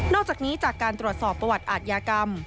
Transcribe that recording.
อกจากนี้จากการตรวจสอบประวัติอาทยากรรม